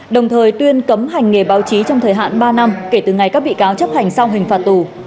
đồng thời tuyên cấm hành nghề báo chí trong thời hạn ba năm kể từ ngày các bị cáo chấp hành xong hình phạt tù